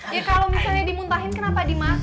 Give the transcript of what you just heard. ya kalau misalnya dimuntahin kenapa dimasak